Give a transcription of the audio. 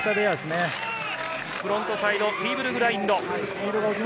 フロントサイドフィーブルグラインド。